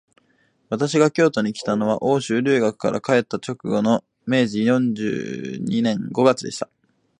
私が京都にきたのは、欧州留学から帰った直後の明治四十二年五月でした